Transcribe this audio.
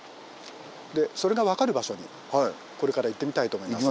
それが分かる場所にこれから行ってみたいと思います。